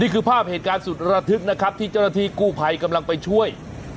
ภาพเหตุการณ์สุดระทึกนะครับที่เจ้าหน้าที่กู้ภัยกำลังไปช่วย